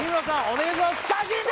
お願いします！